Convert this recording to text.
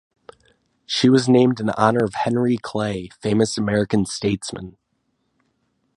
She was named in honor of Henry Clay, famous American statesman.